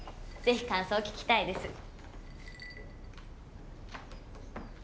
是非感想を聞きたいです。